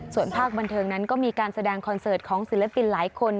ส่วนภาคบันเทิงนั้นก็มีการแสดงคอนเสิร์ตของศิลปินหลายคน